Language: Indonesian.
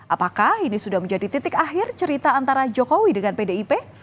apakah ini sudah menjadi titik akhir cerita antara jokowi dengan pdip